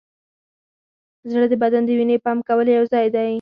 زړه د بدن د وینې پمپ کولو یوځای دی.